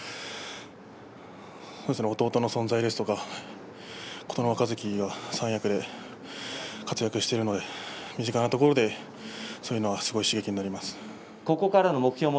そうですね弟の存在ですとか琴ノ若関が三役で活躍しているので身近なところで、そういうのがすごく刺激になっています。